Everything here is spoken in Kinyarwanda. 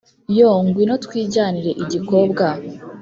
Yo ngwino twijyanire igikobwa